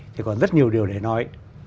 thì còn rất nhiều điều để nói